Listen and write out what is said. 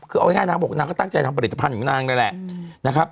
คือเอาง่ายนางบอกนางก็ตั้งใจทำผลิตภัณฑ์ของนางนั่นแหละนะครับ